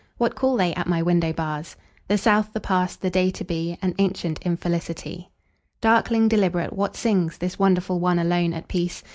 What call they at my window bars? The South, the past, the day to be, An ancient infelicity. Darkling, deliberate, what singsThis wonderful one, alone, at peace?